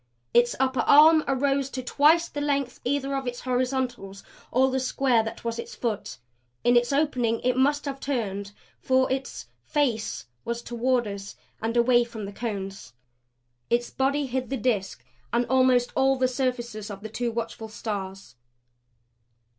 Its upper arm arose to twice the length either of its horizontals or the square that was its foot. In its opening it must have turned, for its FACE was toward us and away from the Cones, its body hid the Disk, and almost all the surfaces of the two watchful Stars.